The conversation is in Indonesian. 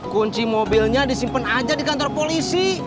kunci mobilnya disimpen aja di kantor polis